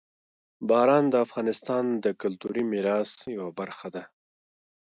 باران د افغانستان د کلتوري میراث یوه برخه ده.